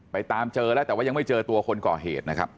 ตามเจอแล้วแต่ว่ายังไม่เจอตัวคนก่อเหตุนะครับ